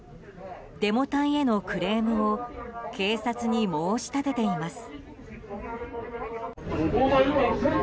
デモ隊へのクレームを警察に申し立てています。